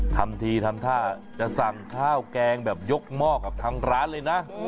ทำทีทำท่าจะสั่งข้าวแกงแบบยกหม้อกับทางร้านเลยนะ